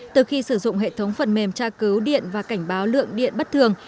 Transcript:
từ khi sử dụng hệ thống phần mềm tra cứu điện và cảnh báo lượng điện bất thường